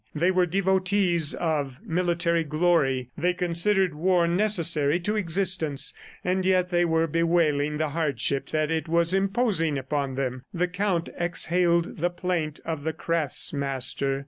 They were devotees of military glory, they considered war necessary to existence, and yet they were bewailing the hardship that it was imposing upon them. The Count exhaled the plaint of the craftsmaster.